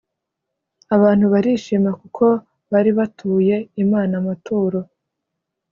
Abantu barishima kuko bari batuye imana amaturo